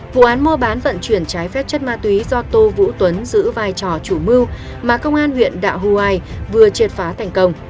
vụ án mô bán vận chuyển trái phép chất ma túy do tô vũ tuấn giữ vai trò chủ mưu mà công an huyện đạo hù ai vừa triệt phá thành công